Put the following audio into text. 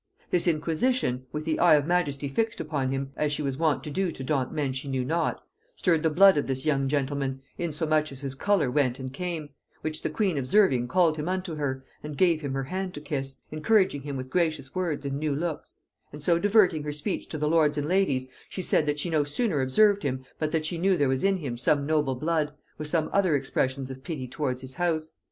This inquisition, with the eye of majesty fixed upon him, (as she was wont to do to daunt men she knew not,) stirred the blood of this young gentleman, insomuch as his colour went and came; which the queen observing called him unto her, and gave him her hand to kiss, encouraging him with gracious words and new looks; and so diverting her speech to the lords and ladies, she said, that she no sooner observed him but that she knew there was in him some noble blood, with some other expressions of pity towards his house.